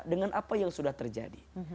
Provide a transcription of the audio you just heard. dengan apa yang sudah terjadi